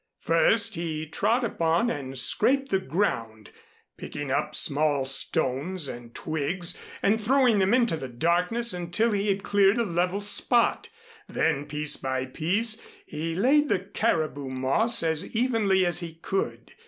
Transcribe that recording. First he trod upon and scraped the ground, picking up small stones and twigs and throwing them into the darkness until he had cleared a level spot. Then piece by piece he laid the caribou moss as evenly as he could.